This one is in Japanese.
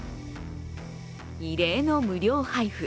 異例の無料配布。